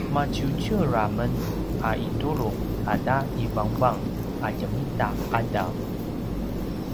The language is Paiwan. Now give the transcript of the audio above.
maciuciur a men a itulu ata ivangavang a ljemita qadaw